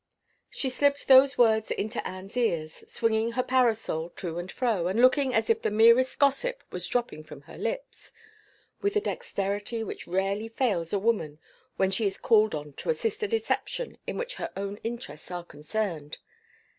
She slipped those words into Anne's ears swinging her parasol to and fro, and looking as if the merest gossip was dropping from her lips with the dexterity which rarely fails a woman when she is called on to assist a deception in which her own interests are concerned.